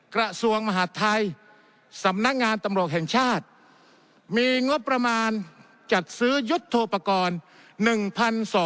กระทรวงมหาดไทยสำนักงานตำรวจแห่งชาติมีงบประมาณจัดซื้อยุทธโทปกรณ์